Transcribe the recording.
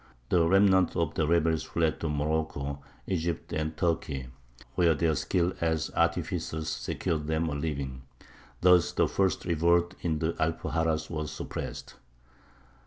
The remnant of the rebels fled to Morocco, Egypt, and Turkey, where their skill as artificers secured them a living. Thus the first revolt in the Alpuxarras was suppressed.